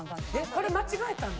これ間違えたの？